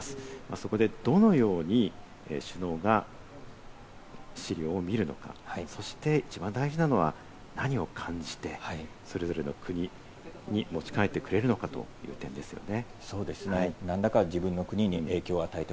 そこでどのように首脳が資料を見るのか、そして一番大事なのは何を感じてそれぞれの国に持ち帰ってくれるのかという点ですね。